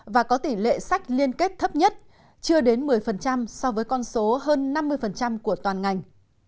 và có tỷ lệ sách liên kết thấp nhất chưa đến một mươi so với con số hơn năm mươi của toàn ngành